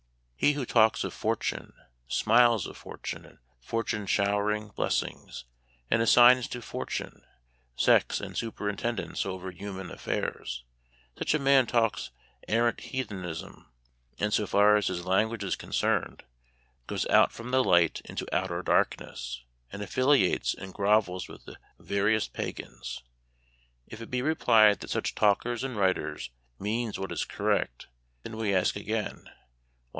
He who talks of " fortune," " smiles of fortune," and "fortune showering blessings," and assigns to "fortune" sex, and superintendence over hu man affairs — such a man talks arrant heathen ism ; and, so far as his language is concerned, goes out from the light into outer darkness, and affiliates and grovels with the veriest pagans. If it be replied that such talkers and writers mean what is correct, then we ask again, Why 7 8 Memoir of Washington I re in g.